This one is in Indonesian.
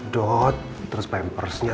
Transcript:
dot terus pampersnya